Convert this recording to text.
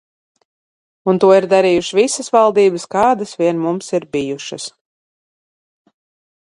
Un to ir darījušas visas valdības, kādas vien mums bijušas.